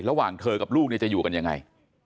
ระหว่างเธอกับลูกเนี่ยจะอยู่กันยังไง